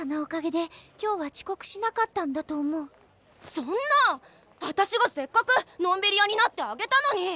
そんな私がせっかくのんびり屋になってあげたのに。